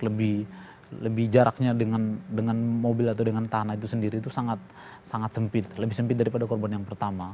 karena itu memang agak lebih jaraknya dengan mobil atau dengan tanah itu sendiri itu sangat sempit lebih sempit daripada korban yang pertama